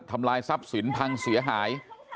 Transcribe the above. ทำลายทรัพย์สินพังเสียหาย